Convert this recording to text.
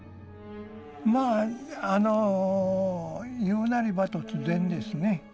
まああの言うなれば突然ですね。